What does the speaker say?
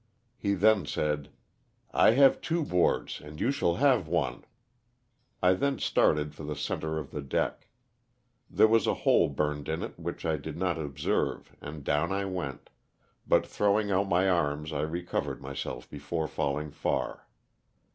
'* He then said, ''I have two boards and you shall have one. I then started for the center of the deck. There was a hole burned in it which I did not observe and down I went, but throwing out my arms I recovered myself before falling far.